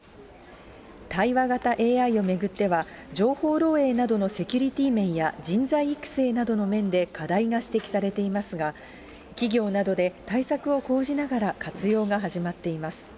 対話型ＡＩを巡っては、情報漏えいなどのセキュリティー面や人材育成などの面で課題が指摘されていますが、企業などで対策を講じながら活用が始まっています。